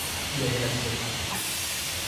Il avait la fièvre.